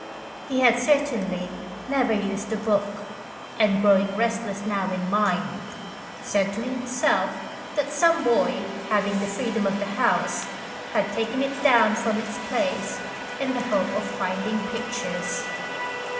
He had certainly never used the book, and growing restless now in mind, said to himself that some boy having the freedom of the house, had taken it down from its place in the hope of finding pictures.